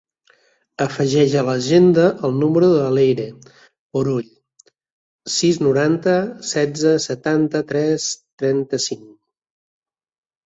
Afegeix a l'agenda el número de la Leyre Borrull: sis, noranta, setze, setanta-tres, trenta-cinc.